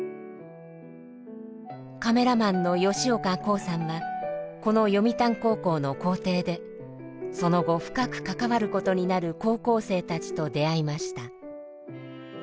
カメラマンの吉岡攻さんはこの読谷高校の校庭でその後深く関わることになる高校生たちと出会いました。